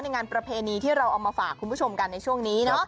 งานประเพณีที่เราเอามาฝากคุณผู้ชมกันในช่วงนี้